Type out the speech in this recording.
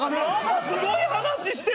すごい話してる！